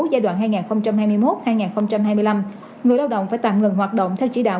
giai đoạn hai nghìn hai mươi một hai nghìn hai mươi năm người lao động phải tạm ngừng hoạt động theo chỉ đạo